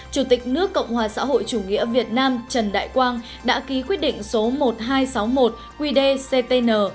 hai mươi ba bảy hai nghìn một mươi tám chủ tịch nước cộng hòa xã hội chủ nghĩa việt nam trần đại quang đã ký quyết định số một nghìn hai trăm sáu mươi một qdctn